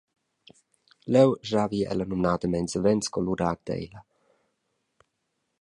Leu schavi ella numnadamein savens colurar teila.